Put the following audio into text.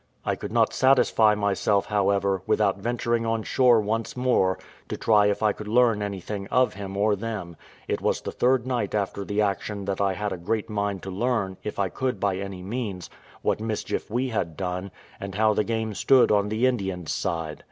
I could not satisfy myself, however, without venturing on shore once more, to try if I could learn anything of him or them; it was the third night after the action that I had a great mind to learn, if I could by any means, what mischief we had done, and how the game stood on the Indians' side.